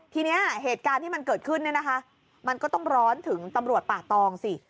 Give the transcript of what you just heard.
ทีนี้เหตุการณ์ที่มันเกิดขึ้นเนี่ยนะคะมันก็ต้องร้อนถึงตำรวจป่าตองสิ